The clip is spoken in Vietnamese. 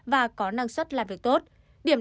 và có năng suất làm việc tốt điểm